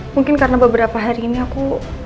mungkin karena beberapa hari ini aku